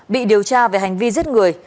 bị điều tra về hành vi giết người